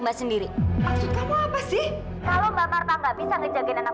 mbak sendiri maksudnya apa sih kalau mbak marta nggak bisa ngejagain anak